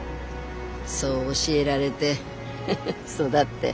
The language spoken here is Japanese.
そう教えられでフフ育って。